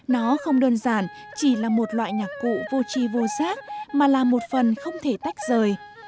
nó không đơn giản chỉ là một loại nhạc cụ vô chi vô giác mà là một phần không thể tách rời